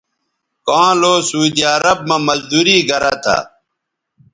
کاں لو سعودی عرب مہ مزدوری گرہ تھہ